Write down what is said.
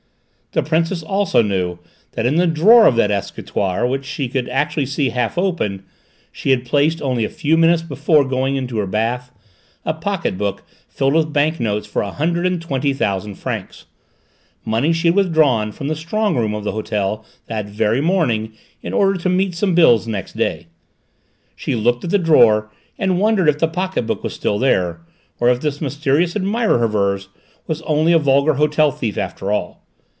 The Princess also knew that in the drawer of that escritoire which she could actually see half open, she had placed, only a few minutes before going in to her bath, a pocket book filled with bank notes for a hundred and twenty thousand francs, money she had withdrawn from the strong room of the hotel that very morning in order to meet some bills next day. She looked at the drawer and wondered if the pocket book was still there, or if this mysterious admirer of hers was only a vulgar hotel thief after all.